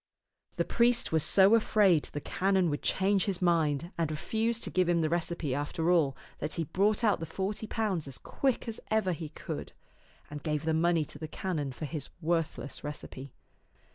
The priest was so afraid the canon would change his €^t CanoW0 ^eoman'0 Z<xU 215 mind and refuse to give him the recipe after all that he brought out the forty pounds as quick as ever he could, and gave the money to the canon for his worthless recipe.